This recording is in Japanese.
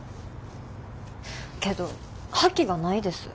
けど覇気がないです。